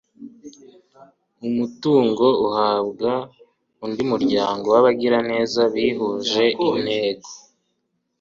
umutungo uhabwa undi muryango w'abagiraneza bihuje intego